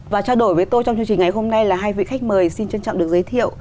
và trao đổi với tôi trong chương trình ngày hôm nay là hai vị khách mời xin trân trọng được giới thiệu